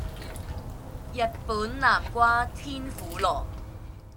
日本南瓜天婦羅